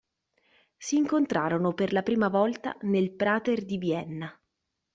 Si incontrarono per la prima volta nel Prater di Vienna.